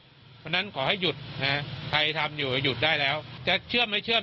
เพราะฉะนั้นขอให้หยุดใครทำอยู่หยุดได้แล้วจะเชื่อไม่เชื่อม